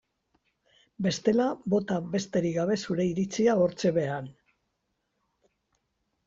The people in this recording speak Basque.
Bestela bota besterik gabe zure iritzia hortxe behean.